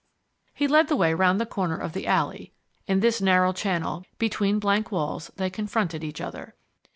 He led the way round the corner of the alley. In this narrow channel, between blank walls, they confronted each other.